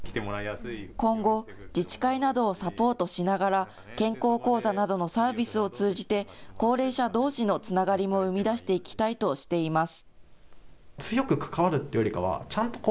今後、自治会などをサポートしながら健康講座などのサービスを通じて高齢者どうしのつながりも生み出していきたいとしています。